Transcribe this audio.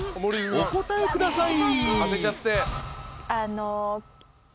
お答えください］